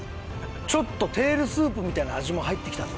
ちょっとテールスープみたいな味も入ってきたぞ。